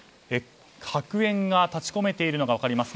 白煙が立ち込めているのが分かります。